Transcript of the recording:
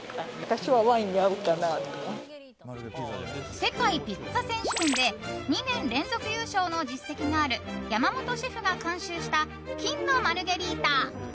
世界ピッツァ選手権で２年連続優勝の実績がある山本シェフが監修した金のマルゲリータ！